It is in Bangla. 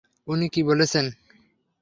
উনি কী বলেছেন?